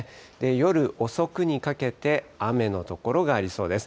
夜遅くにかけて、雨の所がありそうです。